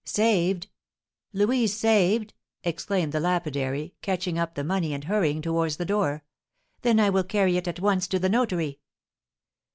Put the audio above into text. "Saved! Louise saved!" exclaimed the lapidary, catching up the money, and hurrying towards the door; "then I will carry it at once to the notary."